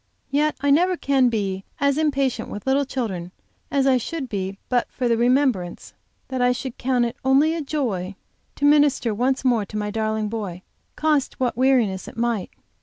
Yet I never can be as impatient with little children as I should be but for the remembrance that I should count it only a joy to minister once more to my darling boy, cost what weariness it might.